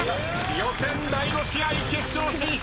予選第５試合決勝進出